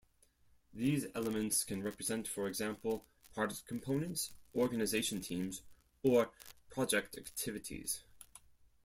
These elements can represent for example product components, organization teams, or project activities.